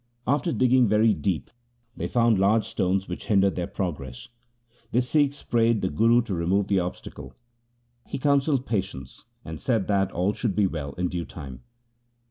After digging very deep they found large stones which hindered their progress. The Sikhs prayed the Guru to remove the obstacle. He counselled patience, and said that all should be well in due time.